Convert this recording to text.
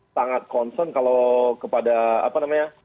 sangat concern kalau kepada apa namanya